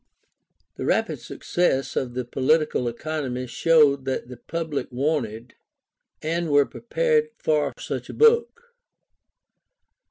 The rapid success of the Political Economy showed that the public wanted, and were prepared for such a book.